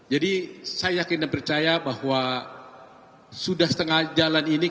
jadi saya yakin dan percaya bahwa sudah setengah jalan ini